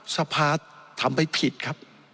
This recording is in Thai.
สภาทำไปผิดครับ